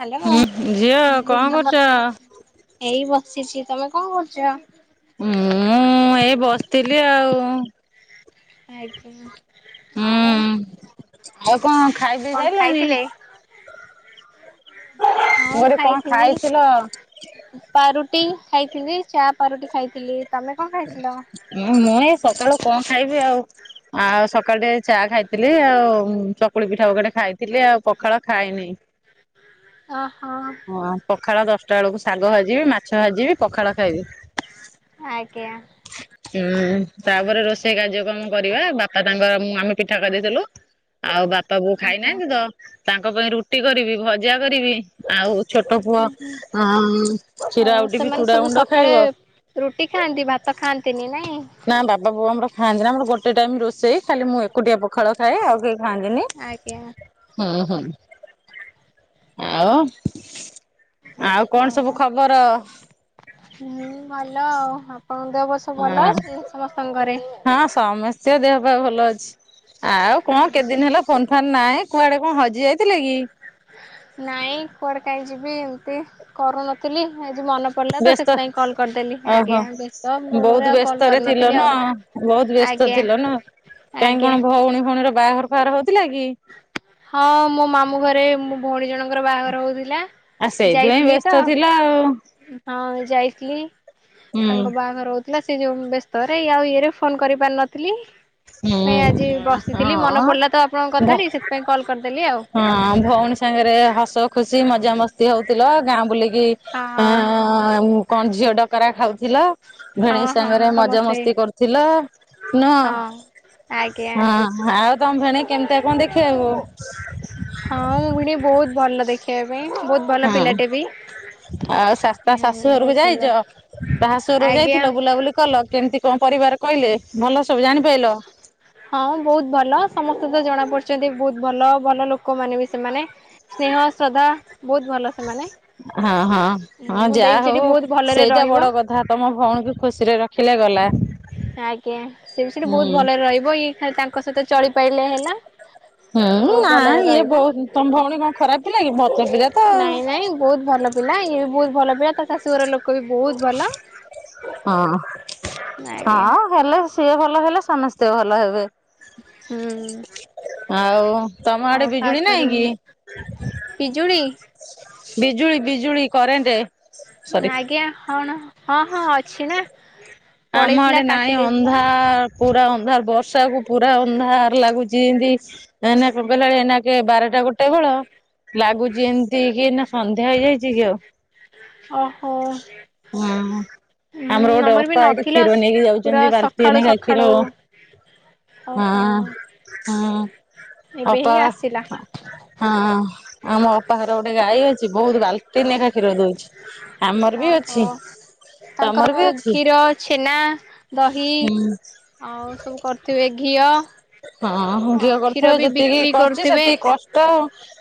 Hello ହୁଁ ଝିଅ ଦିଦି କଣ କରୁଛ? ନମସ୍କାର। ଏଇ ବସିଛି ତମେ କଣ କରୁଛ? ମୁଁ ଏଇ ବସିଥିଲି ଆଉ। ଆଜ୍ଞା। ଆଉ ଆଉ କଣ ଖାଇ ପି କଣ ସାଇିଲଣି? ଖାଇଥିଲେ? କଣ ଖାଇଥିଲ? ପାଉରୁଟି ଖାଇଥିଲି ଚା ପାଉରୁଟି ଖାଇଥିଲି ତମେ କଣ ଖାଇଥିଲ? ମୁଁ ମୁ ଏ ସକାଳୁ କଣ ଖାଇବି ଆଉ। ଆଉ ସକାଳ ଟେ ଚା ଖାଇଥିଲି ଆଉ ଚକୁଳି ପିଠା ପଟେ ଖାଇଥିଲି ଆଉ ପଖାଳ ଖାଇନି। ଅହ। ହଁ ପଖାଳ ଦଶଟା ବେଳକୁ ଶାଗ ଭାଜିବି ମାଛ ଭାଜିବି ପଖାଳ ଖାଇବି। ଆଜ୍ଞା। ହୁଁ ତାପରେ ରୋଷେଇ କାର୍ଯ୍ୟକ୍ରମ କରିବା ବାପା ତାଙ୍କର ମୁ ଆମ ପିଠା କରିଦେଇଥିଲୁ। ଆଉ ବାପା ବୋଉ ଆଜ୍ଞା ଖାଇନାହାଁନ୍ତି ତ ତାଙ୍କ ପାଇଁ ରୁଟି କରିବି ଭଜା କରିବି ଆଉ ଛୋଟ ପୁଅ କ୍ଷୀର ଆଉ ଆଉଟିବି ସେମାନେ ଚୁଡା ସବୁ ଗୁଣ୍ଡ ସକାଳେ ଖାଇବ। ରୁଟି ଖାଆନ୍ତି ଭାତ ଖାଆନ୍ତିନି ନାଇଁ ନା ବାବା ବୋଉ ଆମର ଖାଆନ୍ତିନି ନା ଆମର ଗୋଟେ ଟାଇମ୍ ରୋଷେଇ ଖାଲି ମୁଁ ଏକୁଟିଆ ପଖଳ ଖାଏ ଆଉ ଖାନ୍ତିନି ଆଜ୍ଞା ହୁଁ ହୁଁ ଆଉ? ଆଉ [unintelligible] କଣ ସବୁ ଖବର? ହୁଁ ଭଲ ଆଉ ଆପଣଙ୍କୁ ଦେହ ବସ ସବୁ ହଁ ଭଲ ଅଛନ୍ତି ସମସ୍ତଙ୍କ ଘରେ? ହଁ ସମସ୍ତେ ଦେହ ପା ଭଲ ଅଛି ଆଉ କଣ ଆଜ୍ଞା କେତେଦିନ ହେଲା ଫୋନ ଫାନ୍ ନାଇଁ କୁଆଡେ କଣ ହଜି ଯାଇଥିଲେ କି? ନାଇଁ କୁଆଡେ କାହିଁ ଯିବି ଏମିତି କରୁନତିଲି ଆଜି ମନ ପଡ଼ିଲା ତ ବ୍ୟସ୍ତ ସେଥିପାଇଁ କଲ୍ କରିଦେଲି ଆଜ୍ଞା ଓହୋ। ବ୍ୟସ୍ତ ବହୁଳରେ ଆଉ କଲ୍ କରିନଥିଲି ଆଉ। ବହୁତ୍ ବ୍ୟସ୍ତ ଆଜ୍ଞା ଥିଲ ନୁହଁ କାହିଁ ଆଜ୍ଞା କଣ ଭଉଣୀ ଫଉଣୀର ବାହାଘର ଫାହାଘର ହଉଥିଲା କି? ହଁ ମୋ ମାମୁଁ ଘରେ ମୋ ଭଉଣୀ ଜଣଙ୍କର ବାହାଘର ହଉଥିଲା। ଆ ସେଇଥିପାଇଁ ଯାଇଥିଲି ତ ବ୍ୟସ୍ତ ଥିଲା ଆଉ ହଁ ଯାଇଥିଲି ହୁଁ ତାଙ୍କ ବାହାଘର ଥିଲା ସେ ଯୋଉ ବ୍ୟସ୍ତରେ ଇଏ ଆଉ ଇଏରେ ଫୋନ କରି ପାର ନଥିଲି। ହୁଁ ସେଥିପାଇଁ ଆଜି ବସିଥିଲି ମନେ ହଁ। ପଡ଼ିଲା ତ ଆପଣଙ୍କ ଭ କଥାଟି ସେଥିପାଇଁ କଲ୍ କରିଦେଲି ଆଉ। ହଁ ଭଉଣୀ ସାଙ୍ଗରେ ହସ ଖୁସି ମଜାମସ୍ତି ହଉଥିଲା ଗାଁ ବୁଲିକି ଅ ହଁ କଣ ଝିଅ ଡକରା ଖାଉଥିଲା। ହଁ ଭେଣେଇ ହଁ ସାଙ୍ଗରେ ମଜା ସମସ୍ତେ ମସ୍ତି କରୁଥିଲ ନୁହଁ। ହଁ ଆଜ୍ଞା ହଁ ଆଉ ତମ ଭେଣେଇ କେମିତିଆ କଣ ଦେଖିବାକୁ? ହଁ ମୋ ଭିଣେଇ ବହୁତ୍ ଭଲ ଦେଖିବା ପାଇଁ ବହୁତ୍ ଭଲ ହଁ। ପିଲାଟେ ବି। ଆଉ ଶା ତା ହୁଁ ଶାଶୁ ବହୁତ ଘରକୁ ଯାଇଛ ସୁନ୍ଦର ତା ଶାଶୁ ଘରକୁ ଆଜ୍ଞା। ଯାଇଥିଲ ବୁଲାବୁଲି କଲ କେମିତି କଣ ପରିବାର କହିଲେ ଭଲ ସବୁ ଜାଣି ପାରିଲ। [unintelligible] ହଁ ବହୁତ୍ ଭଲ ସମସ୍ତେ ତ ଜଣା ପଡିୁଛନ୍ତି ବହୁତ୍ ଭଲ ଭଲ ଲୋକମାନେ ବି ସେମାନେ। ସ୍ନେହ ଶ୍ରଦ୍ଧା ବହୁତ୍ ଭଲ ସେମାନେ। ହଁ ହଁ ହଁ ମୋ ଦେଇ ବି ଯାହା ସେଠି ହଉ ବହୁତ ଭଲରେ ସେଇଟା ରହିବ। ବଡ଼ କଥା ତମ ଭଉଣୀକୁ ଖୁସିରେ ରଖ ରଖିଲେ ଗଲା। ଆଜ୍ଞା ସେ ବି ସେଠି ହୁଁ। ବହୁତ୍ ଭଲରେ ରହିବ ଇଏ ଖାଲି ତାଙ୍କ ସହିତ ଚଳିପାରଲେ ହେଲା। ହୁଁ ବହୁତ ନାଁ ଭଲରେ ଇଏ ରହିବ। ବହୁ ତମ ଭଉଣୀ କଣ ଖରାପ ପିଲା କି ଭଲ ପିଲା ତ ଆଉ। ବହୁତ୍ ଭଲ ପିଲା ଇଏ ବି ବହୁତ୍ ଭଲ ପିଲା ତା ଶାଶୁର ଲୋକ ବି ବହୁତ୍ ଭଲ। ହଁ ଆଜ୍ଞା ହଁ ଭଲ ସେ ଭଲ ହେଲେ ସମସ୍ତେ ଭଲ ହେବେ। ହୁଁ। ଆଉ ତମ ଆଉ ଆଡ଼େ ଖାସ ବିଜୁଳି କରି ନାଇଁ କି? ମୁଁ ପିଜୁଳି। ବିଜୁଳି ବିଜୁଳି କରେଣ୍ଟ। ସରି। ଆଜ୍ଞା କଣ ହଁ ହଁ ଅଛି ନାଁ। ଆମ ଆଡ଼େ ନାଇଁ ଅନ୍ଧାର ପୁରା ଅନ୍ଧାର ବର୍ଷା କୁ ପୁରା ଅନ୍ଧାର ଲାଗୁଛି ଏମତି ଏନାକ ବେଳେ ଏନାକେ ବାରଟା ଗୋଟେ ବେଳ ଲାଗୁଚି ଏମିତି କି ନାଁ ସନ୍ଧ୍ୟା ହେଇଯାଇଚି କି ଆଉ? ଓହୋ ହୁଁ ହୁଁ ଆମର ଗୋଟେ ବି ଅ ଗାଈ ଠୁ ନଥିଲା କ୍ଷୀର ନେଇକି ପୁରା ଯାଉଚନ୍ତି ବାଲଟି ଟେ ସକାଳୁ ନେଖା କ୍ଷୀର। ସକାଳୁ ହଁ ଓହୋ ହଁ ଏବେ ହିଁ ଅପା ଆସିଲା। ହଁ ଆମ ଅପା ଘରେ ଗୋଟେ ଗାଈ ଅଛି ବହୁତ୍ ବାଲଟେ ନେଖା କ୍ଷୀର ଦଉଚି। ଆମର ବି ଓହୋ ଅଛି ତାଙ୍କର ତମର ବି ଅଛି। କ୍ଷୀର ଛେନା ଦହି ହୁଁ। ଆଉ ସବୁ କରୁଥିବେ ଘିଅ। ହଁ ଆଉ ଘିଅ କ୍ଷୀର କରିଥିବେ ବି ଯେତିକି ବିକ୍ରି କରିଛି କରୁଥିବେ। ସେତିକି କଷ୍ଟ।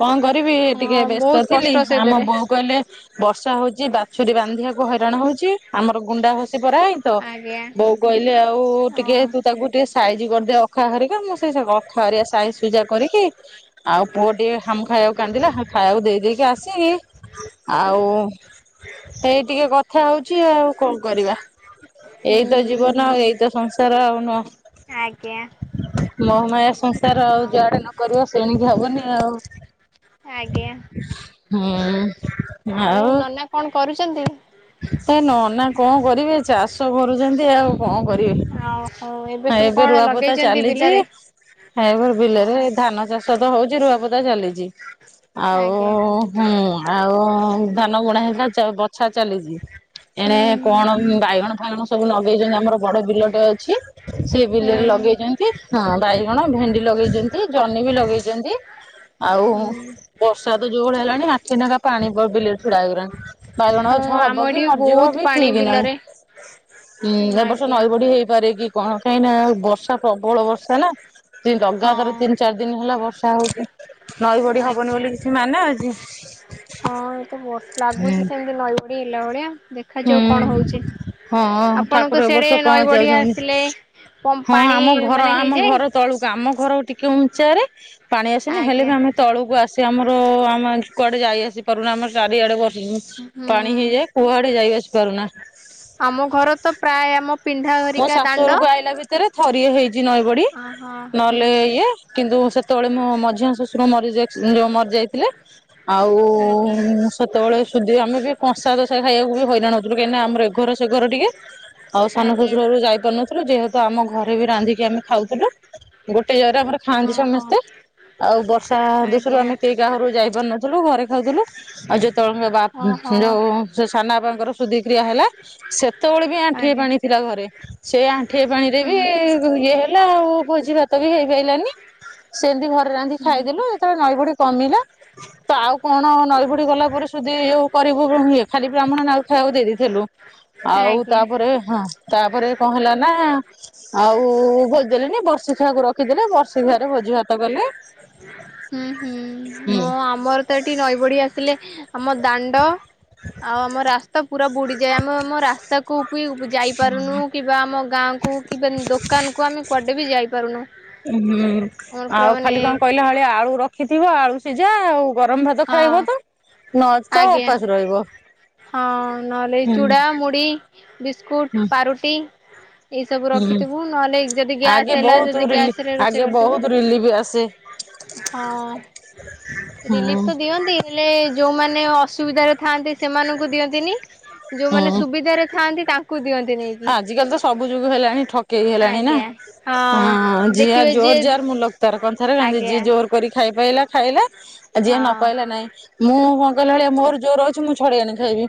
କଣ କରିବି ଟିକେ ହଁ ବ୍ୟସ୍ତ ବହୁତ ଥିଲି କଷ୍ଟ ଆମ ସେଥିରେ ବୋଉ କହିଲେ ବର୍ଷା ହଉଛି ବାଛୁରୀ ବାନ୍ଧିବାକୁ ହଇରାଣ ହଉଛି। ଆମର ଗୁଣ୍ଡା ଘସି ପରା ହେଇନି ତ ଆଜ୍ଞା ବୋଉ କହିଲେ ଆଉ ଟିକେ ଓହୋ ତୁ ତାକୁ ଟିକେ ସାଇଜ କରିଦେ ଅଖା ହରିକା ମୁଁ ସେ ସବୁ ଅଖା ଅରିକା ସାଇଜ୍ ପୂଜା କରିକି ଆଉ ପୁଅ ଟିକେ ହାମ୍ ଖାଇବାକୁ କାନ୍ଦିଲା ଖାଇବାକୁ ଦେଇ ଦେଇେଇକି ଆସିକି ଆଉ ସେଇ ଟିକେ କଥା ହଉଛି ଆଉ କଣ କରିବା। ହୁଁ। ଏଇତ ଜୀବନ ଆଉ ଏଇତ ସଂସାର ଆଉ ନୁହଁ। ଆଜ୍ଞା। ମହମାୟ ସଂସାର ଆଉ ହଁ ଯୁଆଡ଼େ ନକରିବ ସେଣିକି ହବନି ଆଉ। ଆଜ୍ଞା। ହୁଁ। ବୋଉ ଆଉ ନନା କଣ କରୁଚନ୍ତି? ଏ ନନା କଣ କରିବେ ଚାଷ କରୁଚନ୍ତି ଆଉ କଣ ଆଉ ହଉ କରିବେ। ସବୁ ଏବେ କଣ ରୁଆପୋତା ଲଗେଇଛନ୍ତି ଚାଲିଚି। ବିଲରେ? ଏର ବିଲରେ ଧାନ ଚାଷ ତ ହଉଛି ରୁଆପଦା ଚାଲିଚି। ଆଉ ଆଜ୍ଞା ହୁଁ ଆଉ ଧାନ ଗୁଣା ହେଇଲା ବଛା ଚାଲିଛି ଏଣେ ହୁଁ କଣ ବାଇଗଣ ଫାଇଗଣ ସବୁ ଲଗେଇଛନ୍ତି ଆମର ବଡ ବିଲଟେ ଅଛି। ସେ ହୁଁ ବିଲରେ ହୁଁ ଲଗେଇଚନ୍ତି। ହଁ ବାଇଗଣ ଭେଣ୍ଡି ଲଗେଇଚନ୍ତି ଜହ୍ନି ବି ଲଗେଇଚନ୍ତି ଆଉ। ହୁଁ ବର୍ଷାଦ ଯୋଉ ଭଳିଆ ହେଲାଣି ଆଠି ଟେଙ୍କା ପାଣି ବିଲ ଛିଡା ହେଗଲାଣି ବାଇଗଣ ଛ ହଁ ହବ ଆମ କି ଏଠି ମରିଯିବ ବହୁତ ବି ପାଣି ଠିକ୍ ନାଇଁ। ବିଲରେ ଉଁ ଏଇ ବର୍ଷ ଆଜ୍ଞା ନଈ ବଢି ହେଇପାରେ କି କଣ କାହିଁ ନାଁ ବର୍ଷା ପ୍ରବଳ ବର୍ଷା ନାଁ। ହଁ ଲଗାତର ତିନି ଚାରି ଦିନ ହେଲା ବର୍ଷା ହଉଛି ନଈ ଭଡି ହବନି ଆଜ୍ଞା ବୋଲି ମାନା ଅଛି ହଁ ଏତେ ବର୍ଷା ଲାଗୁଛି ସେମତି ନଈ ବଢଡି ହେଲା ଭଳିଆ ଦେଖ ହୁଁ ହଁ ଆପଣଙ୍କ ଠାକୁର ସେଆଡେ ଏବର୍ଷ କଣ ନଈ ବଢ଼ି ଯାଉଚନ୍ତି। ଆସିଲେ କମ୍ ହଁ ପାଣି ଆମ ଘର ମାନେ ଆମ ହେଇଯାଏ ଘର ତଳୁକୁ ଆମ ଘର ଟିକେ ଉଞ୍ଚା ରେ ପାଣି ଆସନି ହେଲେ ଆଜ୍ଞା ବି ଆମେ ତଥଳକୁ ଆସି ଆମର ଆମ କୁଆଡେ ଯାଇ ଆସି ପାରୁନ ଆମର ଚାରିଆଡେ ବର୍ଷ ପାଣି ହୁଁ ହେଇଯାଏ। କୁଆଡେ ଯାଇ ଆସି ପାରୁନା। ଆମ ଘର ତ ପ୍ରାୟ ଆମ ମୋ ପିନ୍ଧାଘରିକା ଦାଣ୍ଡ। ଶାଶୁଘରକୁ ଆଇଲା ଭିତରେ ଥରିଏ ହେଇଛି ନଈ ବଡି। ଓହୋ ହୁଁ ନହେଲେ ଇଏ କିନ୍ତୁ ସେତେବେଳେ ମୁଁ ମଝିଆ ଶଶୁର ମରିଯାଇଥିଲେ। ଆଉ ଆଜ୍ଞା ସେତେବେଳେ ସୁଧି ଆମେ ବି କଂସା ଦ ଖାଇବାକୁ ବି ହଇରାଣ ହଉଥିଲୁାହିଁକି ଆମର ଏ ଘର ସେ ଘର ଟିକେ ଆଉ ସାନ ଆଜ୍ଞା ଶ୍ୱଶୁର ଯାଇପାରୁନାହାନ୍ତି। ଥିଲ ଯେହେତୁ ଆମ ଘରେ ବି ରାନ୍ଧିକି ଆମେ ଖାଉଥିଲୁ ଗୋଟେ ଜାଗରେ ଆମର ଖାଆନ୍ତି ଓହୋ ସମସ୍ତେ। ଆଉ ବର୍ଷା ଦଷରୁ ଆଜ୍ଞା ଆମେ କେହି ଗାଁରୁ ଯାଇପାରୁ ନଥିଲୁ ଘରେ ଖାଉଥିଲୁ। ଆଉ ଯେତବେଳେ ଓହୋ ଯୋଉ ସାନ ବାପାଙ୍କର ଶ ସୁଧିକ୍ରିୟା ହେଲା ସେ ସେତେବେଳେ ବି ଆଣ୍ଠିଏ ଆଜ୍ଞା ପାଣି ଥିଲା ଘରେ ସେ ଆଣ୍ଠିଏ ହୁଁ ପାଣିରେ ବି ହୁଁ ଇଏ ହେଲା ଆଉ ଭୋଜି ଭାତ ବି ହେଇପାରଲାନି ସେମିତି ଘରେ ରାନ୍ଧି ହୁଁ ଖାଇଦେଲୁ। ନଈ ବଢି କମିଲା ତ ଆଉ କଣ ନଈ ବଢି ଗଲା ପରେ ସୁଧି ଇ କରିବୁ ଇଏ ଖାଲି ବ୍ରାହ୍ମଣ ଆଉ ଖାଇବାକୁ ଦେଇ ଦେଇଥିଲୁ ଆଉ ଆଜ୍ଞା ତାପରେ ହଁ ତାପରେ କଣ ହେଲା ନାଁ ଆଉ ଭୋଜି ଦେଲେନି ବର୍ଷ ଖିଆକୁ ରଖିଦେଲେ ବର୍ଷ ଖିଆରେ ଭୋଜି ଭାତ କଲେ। ହୁଁ ହୁଁ। ହୁଁ [unintelligible] ହଁ ଆମର ତ ଏଠି ନଈ ବଢି ଆସିଲେ ଆମ ଦାଣ୍ଡ ଆଉ ଆମ ରାସ୍ତା ପୁ ବୁଡିଯାଏ ଆମେ ଆମ ରାସ୍ତାକୁ ବି ଯାଇ ପାରୁନୁ କିମ୍ବା ଆମ ଗାଁକୁ କି ଦୋକାନକୁ ଆମେ କୁଆଡେ ବି ଯାଇପାରୁନୁ। ହୁଁ ଆମର ପୁରା ଆଉ ମାନେ ଖାଲି କଣ କହିଲେ ଭଳିଆ ଆଳୁ ରଖିଥିବ ଆଳୁ ସିଝା ଆଉ ଗରମ ଭାତ ହଁ ଖାଇବ ତ? ନଚେତ ଆଜ୍ଞା ଉପାସ ରହିବ। ହଁ ନହେଲେ ହୁଁ ଚୁଡ଼ା, ମୁଢି ବିସ୍କୁଟ, ପାରୁଟି ଏଇ ସବୁ ହୁଁ। ରଖିଥିବୁ ନହେଲେ ଯଦି ଆଗେ ଗ୍ୟାସ୍ ହେଲା ବହୁତ ଯଦି ରିଲି ଗ୍ୟାସ୍ ରେ ଆଗେ ରୋଷେଇ ବହୁତ ରିଲିଫ ଆସେ। କରିଥିବୁ। ହଁ ରିଲିଫ ହୁଁ। ତ ଦିଅନ୍ତି ହେଲେ ଯୋଉମାନେ ଅସୁବିଧାରେ ଥାଆନ୍ତି ସେମାନଙ୍କୁ ଦିଅନ୍ତିନି। ଯୋଉମାନେ ହୁଁ ସୁବିଧାରେ ଥାଆନ୍ତି ତାଙ୍କୁ ଦିଅନ୍ତି ନେଇକି। ଆଜିକାଲି ତ ସବୁ ଯୋଗୁ ହେଲାଣି ଠକେଇ ହେଲାଣି ନାଁ। ଆଜ୍ଞା ହଁ ଜିଆ ଦେଖିବେ ଜୋର୍ ଯିଏ ଜୋର୍ ମୁଲକ୍ତାର କଥାରେ ଯିଏ ଆଜ୍ଞା ଜୋର କରି ଖାଇପଲା ଖାଇଲା ଯିଏ ନ ପାଇଲା ହଁ ନାଇଁ ମୁଁ କହିଲା ଭଳିଆ ମୋର ଯୋଉ ର ମୁଁ ଛଡେଇ ଆଣି ଖାଇବି।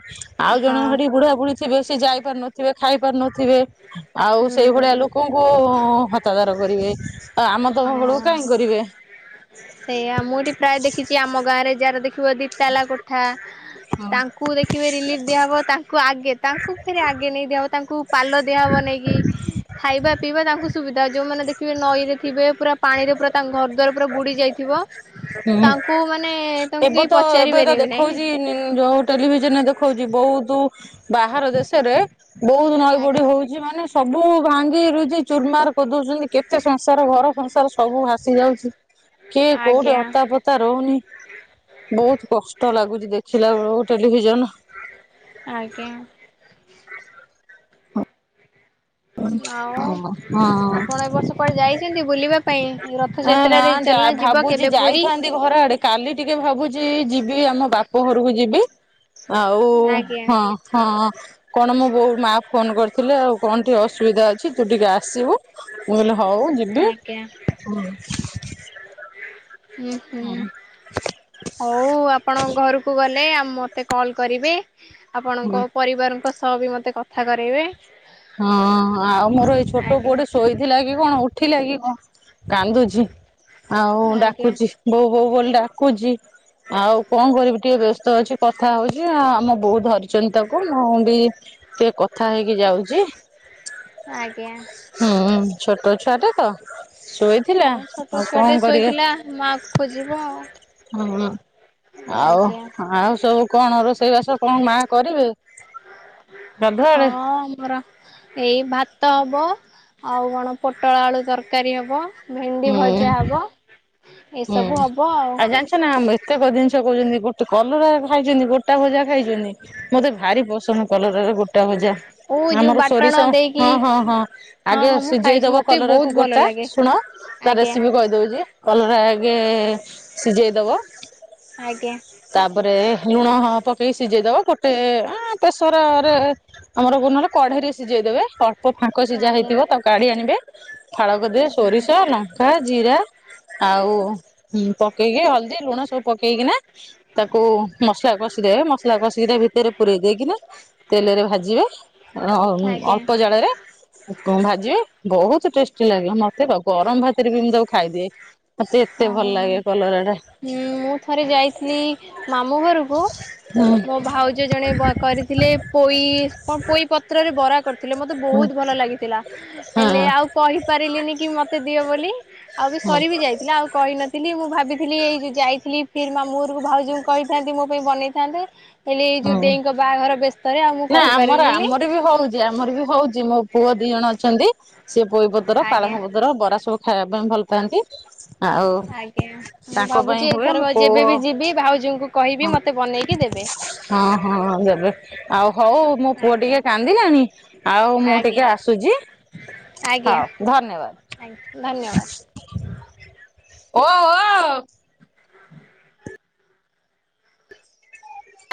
ଆଉ ଜଣେ ହଁ। ସେଠି ବୁଢା ବୁଢୀ ଥେ ସେ ଯାଇ ପାରୁ ନଥିବେ ଖାଇ ପାରୁ ନଥିବେ ଆଉ ସେଇ ଭଳିଆ ହୁଁ। ଲୋକ କ ହତାଧାର କରିବେ ଆ ଆମ ତମ ବେଳକୁ କାହିଁ କରିବେ। ସେଇଆା ମୁଁ ଏଠି ପ୍ରାୟ ଦେଖିଛି ଆମ ଗାଁରେ ଯାହାର ଦେଖିବ ଦି ଦି ଟାଲା କୋଠା ତାଙ୍କୁ ଦେଖ କେବେ ରିଲିଫ୍ ଦିଆହେବ ତାଙ୍କୁ ଆଗେ ତାଙ୍କୁ ଫରେ ଆଗେ ନେଇ ଦିଆହେବ ତାଙ୍କୁ ପାଲ ଦେହ ବନେଇକି ଖାଇବା ପିଇବା ତାଙ୍କୁ ସୁବିଧା ଯୋଉମାନେ ଦେଖିବେ ନଈରେ ଥିବେ ପୁରା ପାଣିରେ ପୁରା ତାଙ୍କ ଘର ଦ୍ୱାର ପୁରା ବୁଡ଼ି ଯାଇଥିବ। ହୁଁ। ତାଙ୍କୁ ମାନେ ତଙ୍କୁ ଏବେ କେହି ତ ପଚାରି ଏବେ ତ ପାରିବେ ନାଇଁ। ଦେଖଉଛି ଯୋଉ ଟେଲିଭିଜନରେ ଦେଖଉଛି ବହୁତ ବାହାର ଦେଶରେ ବହୁତ ନଈ ପଢଡି ଆଜ୍ଞା। ହଉଛି ମାନେ ସବୁ ଭାଙ୍ଗି ରଛି ଚୁର୍ମାର କରିଦଉଛନ୍ତି। କେତେ ସଂସାର ଘର ସଂସାର ସବୁ ଭାସି ଯାଉଛି କିଏ କୋଉଠି ଆଜ୍ଞା ହତାପତା ତା ରହୁନି ବହୁତ କଷ୍ଟ ଲାଗୁଛି ଦେଖିଲା ବେଳକୁ ଟେଲିଭିଜନ। ଆଜ୍ଞା। ଆଉ ହଁ। ଆପଣ ଏବ ବର୍ଷ କୁଆଡେ ଯାଇଛନ୍ତି ବୁଲିବା ପାଇଁ ର ରଥ ନା ନା ଯାତ୍ରାରେ ଯା ଚାଲୁନ ଯିବ ଭାବୁଛି କେବେ ପୁରୀ? ଯାଇଥାନ୍ତି ଘର ଆଡେ କାଲି ଟିକେ ଭାବୁଛି ଯିବି ଆମ ବାପ ଘରକୁ ଯିବି। ଆଉ ଆଜ୍ଞା ହଁ ହଁ କଣ ମୁ ବୋଉ ମା ଫୋନ କରିଥିଲେ ଆଉ କଣ ଟିକି ଅ ଅଛି ତୁ ଟିକେ ଆସିବୁ ମୁଁ କହିଲି ହଉ ଯିବି। ଆଜ୍ଞା ହୁଁ ହୁଁ ହଉ ଆପଣ ଘରକୁ ଗଲେ ଆ ମତେ କଲ କରିବେ ହଁ ଆପଣଙ୍କ ପରିବାରଙ୍କ ସହ ବି ମୋତେ କଥା କରାଇବେ। ହଁ ଆଉ ମୋର ଏଇ ଛୋଟ ଆଜ୍ଞା। ପୁଅଟେ ସୋଇ ଥିଲା କି କଣ ଉଠିଲା କି କଣ କାନ୍ଦୁଛି ଆଉ ଆଜ୍ଞା ଡାକୁଛି। ବୋଉ ବୋଉ ବୋଲି ଡାକୁଛି। ଆଉ କଣ କରିବି ଟିକେ ବ୍ୟସ୍ତ ଅଛି କଥା ହଉଛି ଆମ ବୋଉ ଧରିଛନ୍ତି ତାକୁ ମୁଁ ବି ଟିକେ କଥା ହେଇକି ଯାଉ ଆଜ୍ଞା। ହୁଁ ଛୋଟ ଛୁଆଟା ତ ଶୋଇଥିଲା ହଁ ଛୋଟ ଆଉ କଣ ଛୁଆଟେ କରିବେ ଶୋଇଥିଲା ମା କୁ ଖୋଜିବ ଆଉ। ହ। ଆଉ ଆଜ୍ଞା ଆଉ ସବୁ କଣ ରୋଷେଇବାସ କଣ ମା କରିବେ? ହଁ ଗାଧୁଆଳେ? ଆମର ଏଇ ଭାତ ହବ ଆଉ କଣ ପୋଟଳ ଆଳୁ ତରକାରୀ ହବ। ଭେଣ୍ଡି ହୁଁ ଭଜା ହବ ଏସବୁ ହବ ଆଉ ସେ ନା ଆମ ଏତେକ ଜିନିଷ କହୁଛନ୍ତି ଗୋଟେ କଲରା ଖାଇଛନ୍ତି ଗୋଟା ଭଜା ଖାଇଛନ୍ତି। ମତେ ଭାରି ପସନ୍ଦ କଲରାର ଗୋଟା ଭଜା। ଓ ଯୋଉ ଆମର ବାଟଣ ସୋରିଷ ଦେଇକି ହଁ ହଁ ହଁ ହଁ ଆଗେ ହଁ ମୁଁ ଖାଇଛି ସିଝେଇଦବ ମତେ ବି କଲରାକୁ ବହୁତ ଭଲ ଗୋଟା ଲାଗେ ଶୁଣ। ତା ଆଜ୍ଞା ରେସିପି କହିଦଉଛି କଲଟା ଆଗେ ସିଝେଇ ଦବ। ଆଜ୍ଞା। ତାପରେ ଲୁଣ ପକେଇକି ସିଝେଇଦବ ଗୋଟେ ବେଶରରେ ଆମର ଗୁନରେ କଢେଇର ସିଝେଇ ଦେବେ। ଫାଙ୍କ ସିଝା ଆଜ୍ଞା ହେଇଥିବ ତାକୁ କାଢି ଆଣିବେ ଫାଳକରିଦେବେ ଆଜ୍ଞା। ସୋରିଷ ଲ କା ଜିରା ଆଉ ପକେଇକି ହଳଦୀ ଲୁଣ ସବୁ ପକେଇକି ନା ତାକୁ ମସଲା କଷିଦେବେ ମସଲା କଷିକି ତା ଭିତରେ ପୁରେଇ ଦେଇକିନା ତେଲରେ ଭାଜିବେ ଆଜ୍ଞା ଅଳ୍ପ ଜାଳରେ କଣ ଭାଜିବେ ବହୁତ ଟେଷ୍ଟି ଲାଗିଲ ମତେ ଆଉ ଗରମ ଭାତରେ ବି ମୁଁ ତାକୁ ଖାଇଦିଏ ମତେ। ଏତେ ଭଲ ହଉ ଲାଗେ କଲରା ଟା ହଁ ମୁଁ ଥରେ ଯାଇଥିଲି ମାମୁଁ ଘରକୁ। ହୁଁ ମୋ ଭାଉଜ ଜଣେ କରିଥିଲେ ପୋଇ କଣ ପୋଇ ପତ୍ରରେ ବରା। କରିଥିଲେ ମୋତେ ହୁଁ ବହୁତ ଭଲ ଲାଗିଥିଲା ହେଲେ ହଁ। ଆଉ କହିପାରିଲିନି କି ମତେ ଦିଅ ବୋଲି ଆଉ ବି ହଉ ସରିବି ଯାଏ। ଆଉ କହିନଥିଲି ମୁଁ ଭାବିଥିଲି ଏଇ ଯୋଉ ଯାଇଥିଲି ଫି ମା ମୁହରୁ ଭାଉଜଙ୍କୁ କହିଥାନ୍ତି ମୋ ପାଇଁ ବନେଇଥାନ୍ତେ। ହେଲେ ଏଇ ଯୋ ହଉ ଦେଇଙ୍କ ବାହାଘର ବ୍ୟସ୍ତରେ ଆଉ ମୁଁ ନା ଆମର କହିପାରିଲିିନି। ଆମର ବି ହଉଛି ଆମର ବି ହଉଛି ମୋ ପୁଅ ଦି ଜଣ ଅଛନ୍ତି। ସିଏ ବୋଇ ପତର ଆଜ୍ଞା ପାଳଙ୍ଗ ପତର ବରା ସବୁ ଖାଇବା ପାଇଁ ଭଲପାଆନ୍ତି। ଆଜ୍ଞା ମୁଁ ପାଇଁ ଭାବୁଚି ହୁଏ ମୋ ଏଥର ପୁଅ ଯେବେ ବି ଯିବି ଭାଉଜଙ୍କୁ କହିବି ମୋତେ ବନେଇକି ଦେବେ। ହଁ ହଁ ଦେବେ ଆଉ ହଉ ମୋ ପୁଅ ଆଜ୍ଞା ଟିକେ କାନ୍ଦିଲାଣି ଆଉ ମୁଁ ଆଜ୍ଞା ଟିକେ ଆସୁଚି। [unintelligible] ହଉ ଧନ୍ୟବାଦ। ଓ ଓ।